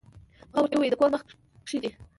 ما ورته ووې د کور مخ کښې دې